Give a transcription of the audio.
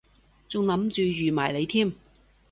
仲諗住預埋你添